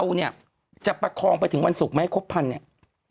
เนี่ยจะประคองไปถึงวันศุกร์ไหมครบพันเนี่ย